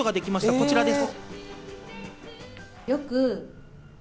こちらです。